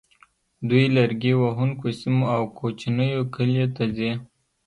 دوی لرګي وهونکو سیمو او کوچنیو کلیو ته ځي